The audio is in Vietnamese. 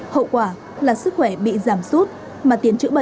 hậu quả là sức khỏe bị giảm sút